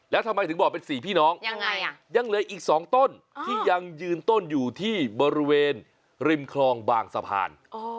แล้วทำไมถึงบอกเป็น๔พี่น้องยังเหลืออีก๒ต้นที่ยังยืนต้นอยู่ที่บริเวณริมคลองบางสะพาน